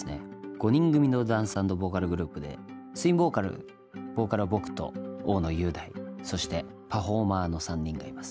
５人組のダンス＆ボーカルグループでツインボーカルボーカルは僕と大野雄大そしてパフォーマーの３人がいます。